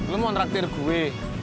lu mau ngeraktir gue